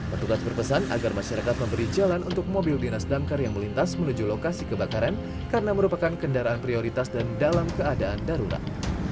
petugas berpesan agar masyarakat memberi jalan untuk mobil dinas damkar yang melintas menuju lokasi kebakaran karena merupakan kendaraan prioritas dan dalam keadaan darurat